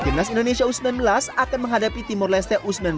timnas indonesia u sembilan belas akan menghadapi timur leste u sembilan belas